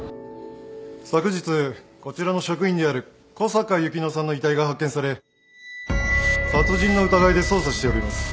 昨日こちらの職員である小坂由希乃さんの遺体が発見され殺人の疑いで捜査しております。